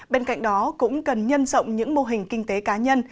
bên cạnh đó cũng cần nhân rộng những mô hình kinh tế cá nhân